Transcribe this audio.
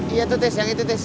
iya tuh tis yang itu tis